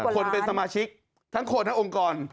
คนเป็นสมาชิกทั้งคนทั้งองค์กร